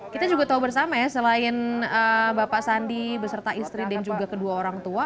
kita juga tahu bersama ya selain bapak sandi beserta istri dan juga kedua orang tua